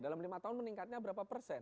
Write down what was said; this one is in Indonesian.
dalam lima tahun meningkatnya berapa persen